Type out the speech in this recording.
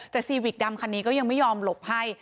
แต่ซีวิกดำคันนี้ก็ยังไม่ยอมหลบให้